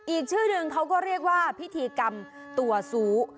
อีกชื่อหนึ่งเขาก็เรียกว่าพิธีกรรมตัวซู้